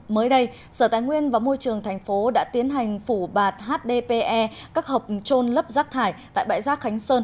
mới đây sở tài nguyên và môi trường thành phố đã tiến hành phủ bạt hdpe các hộp trôn lấp rác thải tại bãi rác khánh sơn